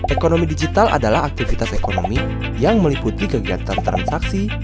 ekonomi digital adalah aktivitas ekonomi yang meliputi kegiatan transaksi